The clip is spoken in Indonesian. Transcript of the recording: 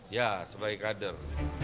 ya sebagai kader